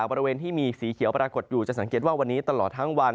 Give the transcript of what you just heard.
บริเวณที่มีสีเขียวปรากฏอยู่จะสังเกตว่าวันนี้ตลอดทั้งวัน